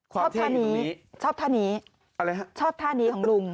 ชอบท่านี้ชอบท่านี้อะไรฮะชอบท่านี้ของลุง